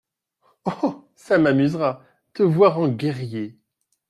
Oh ! ça m’amusera… te voir en guerrier….